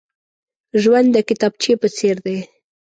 ژوند د کتابچې په څېر دی.